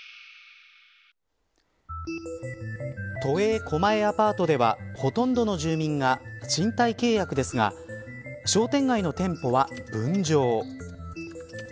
都営狛江アパートではほとんどの住民が賃貸契約ですが商店街の店舗は分譲。